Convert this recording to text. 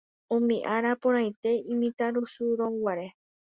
umi ára porãite imitãrusúrõguare